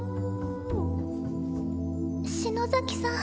篠崎さん